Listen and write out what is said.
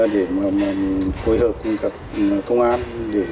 để hội hợp cùng các công an để tổ chức